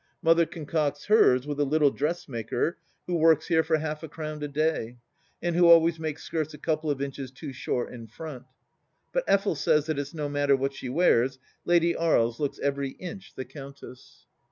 Mother concocts hers with a little dressmaker who works here for half a crown a day, and who always makes skirts a couple of inches too short in front. But Effel says that it's no matter what she wears. Lady Aries looks every inch the countess.